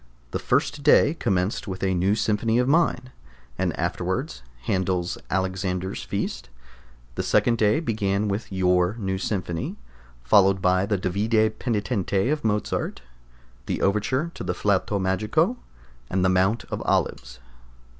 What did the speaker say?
The first day commenced with a new Symphony of mine, and afterwards Handel's Alexander's Feast. The second day began with your new Symphony, followed by the Davide Penitente of Mozart, the overture to the Flaute Magico, and the Mount of Olives.